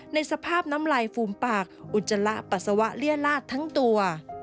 ในสภาพน้ำลายฟูมปากอุจจาระปัสสาวะเลี่ยลาดทั้งตัว